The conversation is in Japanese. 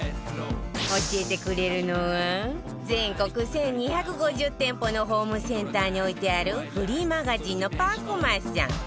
教えてくれるのは全国１２５０店舗のホームセンターに置いてあるフリーマガジンの『Ｐａｃｏｍａ』さん